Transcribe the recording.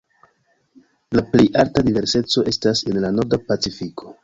La plej alta diverseco estas en la Norda Pacifiko.